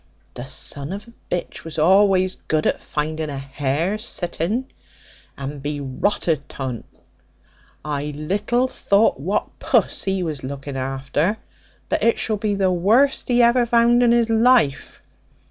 The son of a bitch was always good at finding a hare sitting, an be rotted to'n: I little thought what puss he was looking after; but it shall be the worst he ever vound in his life.